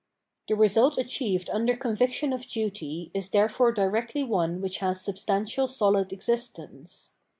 The result achieved under conviction of duty is therefore directly one which has substantial solid ex istence.